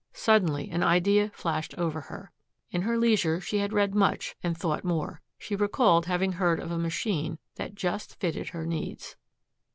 Suddenly an idea flashed over her. In her leisure she had read much and thought more. She recalled having heard of a machine that just fitted her needs.